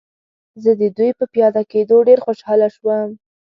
زه د دوی په پیاده کېدو ډېر خوشحاله شوم.